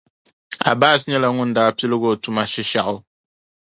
Abbas nyɛla ŋun daa piligi o tuma Shishɛɣu.